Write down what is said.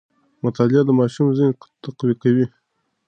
مطالعه د ماشوم ذهن تقویه کوي.